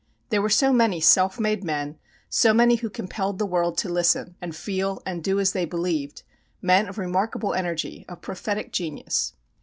There were so many self made men, so many who compelled the world to listen, and feel and do as they believed men of remarkable energy, of prophetic genius.